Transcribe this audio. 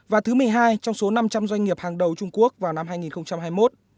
và thứ một mươi hai trong số năm trăm linh doanh nghiệp hàng đầu trung quốc vào năm hai nghìn hai mươi một